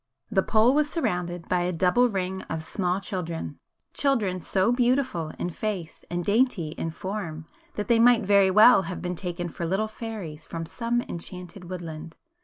The pole was surrounded by a double ring of small children,—children so beautiful in face and dainty in form, that they might very well have been taken for little fairies from some enchanted woodland.